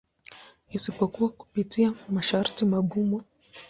Isipokuwa kupitia masharti magumu.